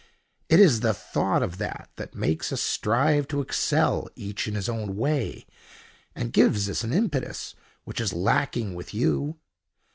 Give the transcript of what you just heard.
It is the thought of that that makes us strive to excel, each in his own way, and gives us an impetus which is lacking with you.